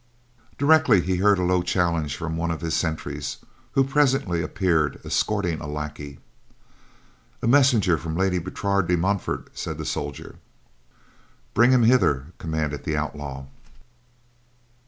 Directly he heard a low challenge from one of his sentries, who presently appeared escorting a lackey. "A messenger from Lady Bertrade de Montfort," said the soldier. "Bring him hither," commanded the outlaw.